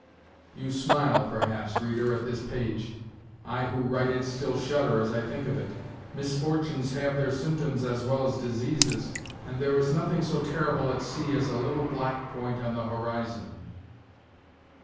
You smile, perhaps, reader, at this page; I, who write it, still shudder as I think of it. Misfortunes have their symptoms as well as diseases, and there is nothing so terrible at sea as a little black point on the horizon.